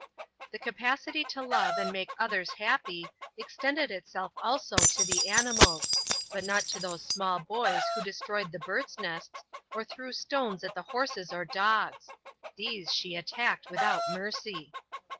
The capacity to love and to make others happy, extended itself also to the animals, but not to those small boys who destroyed the birds' nests or threw stones at the horses or dogs these she attacked without mercy.